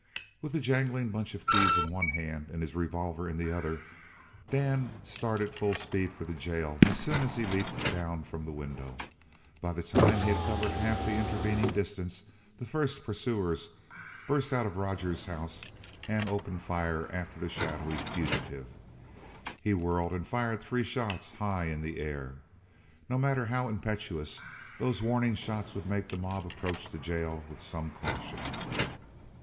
With the jangling bunch of keys in one hand and his revolver in the other, Dan started full speed for the jail as soon as he leaped down from the window. By the time he had covered half the intervening distance the first pursuers burst out of Rogers's house and opened fire after the shadowy fugitive. He whirled and fired three shots high in the air. No matter how impetuous, those warning shots would make the mob approach the jail with some caution.